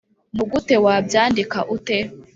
nugute wabyandika ute?